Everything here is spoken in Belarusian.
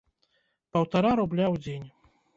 Паўтара рубля ў дзень!